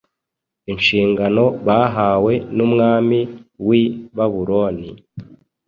inshingano bahawe n’umwami w’i Babuloni,